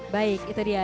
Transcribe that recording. baik itu dia